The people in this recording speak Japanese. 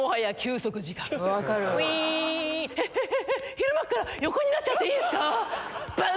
昼間から横になっちゃっていいんすか⁉バン！